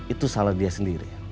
itu salah dia sendiri